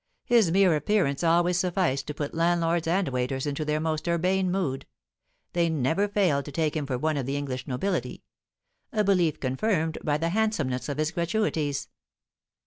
His mere appearance always sufficed to put landlords and waiters into their most urbane mood; they never failed to take him for one of the English nobility a belief confirmed by the handsomeness of his gratuities.